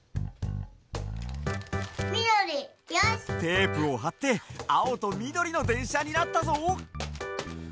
テープをはってあおとみどりのでんしゃになったぞ！